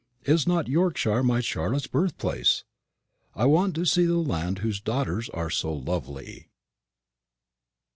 Is not Yorkshire my Charlotte's birthplace? I want to see the land whose daughters are so lovely.